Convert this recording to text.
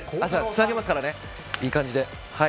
つなげますからね、いい感じで。